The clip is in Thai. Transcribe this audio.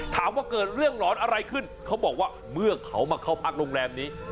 ถามว่าเกิดเรื่องหลอนอะไรขึ้นเขาบอกว่าเมื่อเขามาเข้าพักโรงแรมนี้